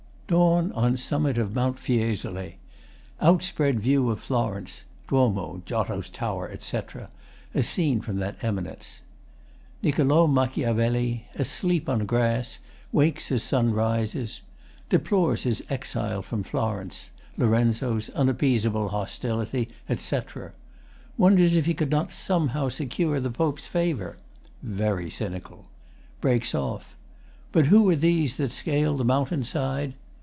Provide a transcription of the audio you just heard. Dawn on summit of Mount Fiesole. Outspread view of Florence (Duomo, Giotto's Tower, etc.) as seen from that eminence. NICCOLO MACHIAVELLI, asleep on grass, wakes as sun rises. Deplores his exile from Florence, LORENZO'S unappeasable hostility, etc. Wonders if he could not somehow secure the POPE'S favour. Very cynical. Breaks off: But who are these that scale the mountain side?